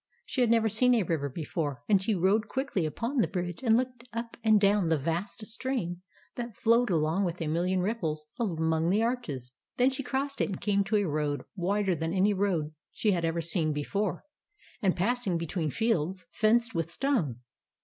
She had never seen a river before; and she rode quickly upon the bridge, and looked up and down the vast stream that flowed along with a million ripples among the arches. Then she crossed it and came to a road, wider than any road that she had ever seen be fore, and passing between fields fenced with stone.